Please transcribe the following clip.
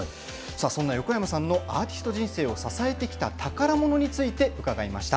そんな横山さんのアーティスト人生を支えてきた宝ものについて伺いました。